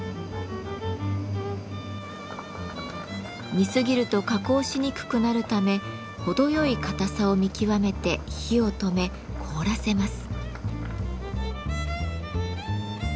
煮すぎると加工しにくくなるため程よい固さを見極めて火を止め凍らせます。